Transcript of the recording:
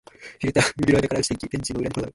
フィルターは指の間から落ちていき、ベンチの裏に転がる